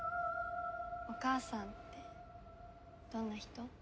お母さんってどんな人？